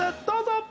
どうぞ！